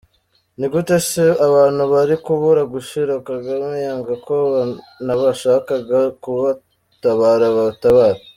Ni gute se, abantu bari kubura gushira, Kagame yanga ko n’abashakaga kubatabara batabara?